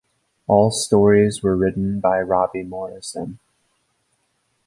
All stories were written by Robbie Morrison.